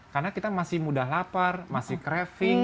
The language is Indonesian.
karena kita masih mudah lapar masih craving